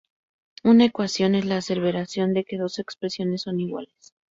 Una ecuación es la aseveración de que dos expresiones son iguales.